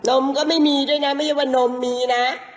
มก็ไม่มีด้วยนะไม่ใช่ว่านมมีนะ